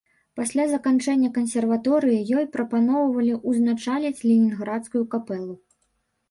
Пасля заканчэння кансерваторыі ёй прапаноўвалі ўзначаліць ленінградскую капэлу.